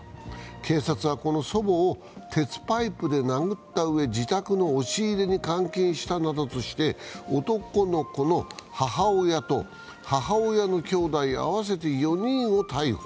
警察はこの祖母を鉄パイプで殴ったうえ自宅の押し入れに監禁したなどとして男の子母親と母親のきょうだい合わせて４人を逮捕。